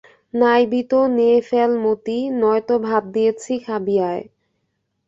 নাইবি তো নেয়ে ফ্যাল মতি, নয়তো ভাত দিয়েছি খাবি আয়।